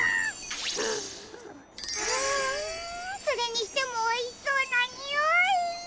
それにしてもおいしそうなにおい！